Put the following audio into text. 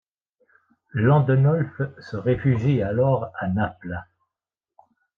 Landenolf se réfugie alors à Naples.